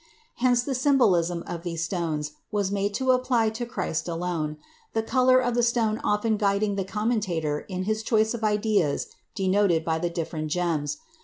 Hence the symbolism of these stones was made to apply to Christ alone, the color of the stone often guiding the commentator in his choice of ideas denoted by the different gems.